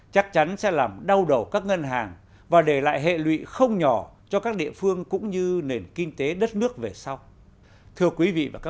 chắc chắn sẽ làm đau đầu các ngân hàng và để lại hệ lụy không nhỏ cho các địa phương cũng như nền kinh tế đất nước về sau